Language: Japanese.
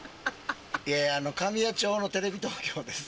いやあの神谷町のテレビ東京です